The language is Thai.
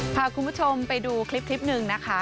พาคุณผู้ชมไปดูคลิปหนึ่งนะคะ